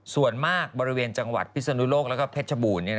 ส่วนมากบริเวณจังหวัดพิศนุโลกแล้วก็เพชรบูรณ์